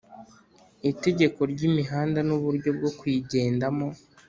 itegeko ry’ imihanda n'uburyo bwo kuyigendamo.